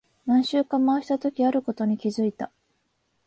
何周か回したとき、あることに気づいた。